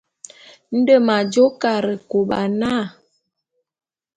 Nde m'ajô Karekôba na.